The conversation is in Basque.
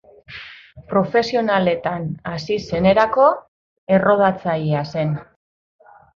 Profesionaletan hasi zenerako errodatzailea zen.